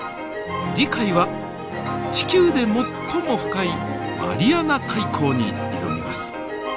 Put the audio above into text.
次回は地球で最も深いマリアナ海溝に挑みます。